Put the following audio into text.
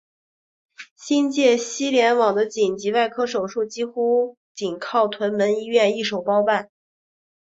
新界西联网的紧急外科手术几乎仅靠屯门医院一手包办。